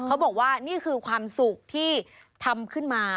เขาบอกว่านี่คือความสุขที่ทำขึ้นมา